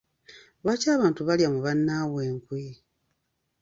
Lwaki abantu balya mu bannaabwe enkwe?